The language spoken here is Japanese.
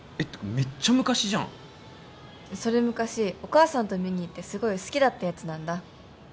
めっちゃ昔じゃんそれ昔お母さんと見に行ってすごい好きだったやつなんだ